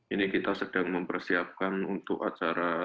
ini kita sedang mempersiapkan untuk acara